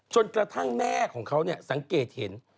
จนกระทั่งแม่ของเขาสังเกตเห็น